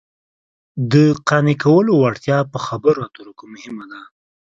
د قانع کولو وړتیا په خبرو اترو کې مهمه ده